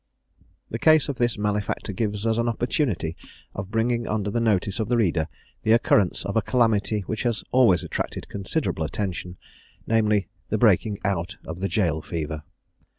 The case of this malefactor gives us an opportunity of bringing under the notice of the reader the occurrence of a calamity which has always attracted considerable attention, namely, the breaking out of the jail fever.